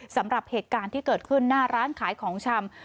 สำหรับเหตุการณ์ที่เกิดขึ้นหน้าร้านขายของชำ